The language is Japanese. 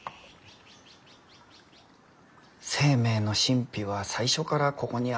生命の神秘は最初からここにある。